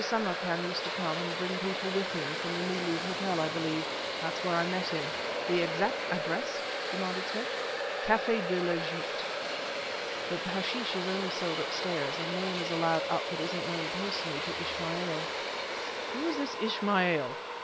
Samarkan used to come, and bring people with him from the New Louvre Hotel, I believe. That's where I met him." "The exact address?" demanded Smith. "Café de l'Egypte. But the hashish is only sold upstairs, and no one is allowed up that isn't known personally to Ismail." "Who is this Ismail?"